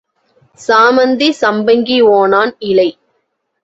சாமந்தி சம்பங்கி ஓணான் இலை.